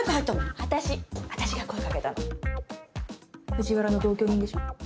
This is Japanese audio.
藤原の同居人でしょ？